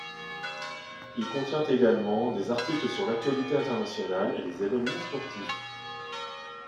Il contient également des articles sur l'actualité internationale et les évènements sportifs.